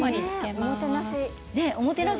おもてなし。